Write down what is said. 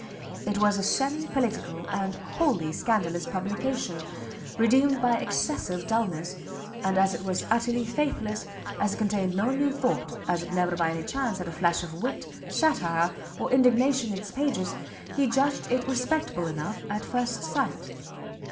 It was a semi political, and wholly scandalous publication, redeemed by excessive dulness; and as it was utterly faithless, as it contained no new thought, as it never by any chance had a flash of wit, satire, or indignation in its pages, he judged it respectable enough, at first sight.